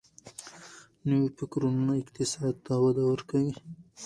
نوي فکرونه اقتصاد ته وده ورکوي.